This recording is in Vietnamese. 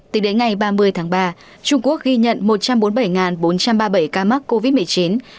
tính đến ngày ba mươi tháng ba trung quốc ghi nhận một trăm bốn mươi bảy bốn trăm ba mươi bảy ca mắc covid một mươi chín